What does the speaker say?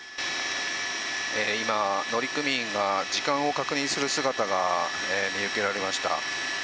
今、乗組員が時間を確認する姿が見受けられました。